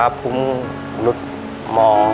หุมกลุดหมอ